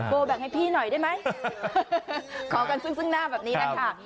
แบ่งให้พี่หน่อยได้ไหมขอกันซึ่งซึ่งหน้าแบบนี้นะคะ